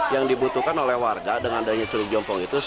yang dibutuhkan oleh warga dengan adanya curug jompong itu